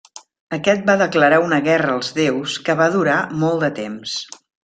Aquest va declarar una guerra als déus que va durar molt de temps.